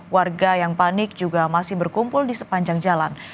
warga yang panik juga masih berkumpul di sepanjang jalan